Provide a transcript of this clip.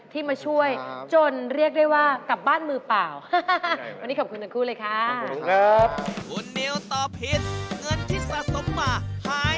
ที่มาช่วยจนเรียกได้ว่ากลับบ้านมือเปล่า